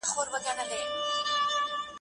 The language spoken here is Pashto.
ښکلی ماشوم یې او دسمال دې په اوږه پینګ کړی